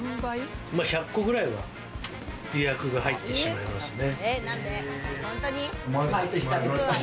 １００個くらいは予約が入ってしまいますね。